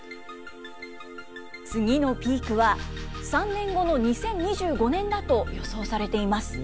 次のピークは３年後の２０２５年だと予想されています。